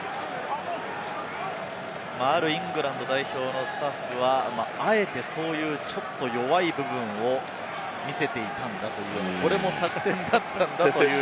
あるイングランド代表のスタッフは、あえてそういうちょっと弱い部分を見せていたんだという、これも作戦だったんだという。